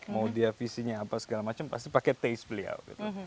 mau dia visinya apa segala macem pasti pake taste beliau